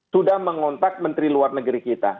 sudah mengontak menteri luar negeri kita